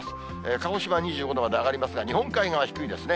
鹿児島２５度まで上がりますが、日本海側は低いですね。